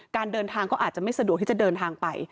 การเดินทางก็อาจจะไม่สะดวกที่จะเดินทางไป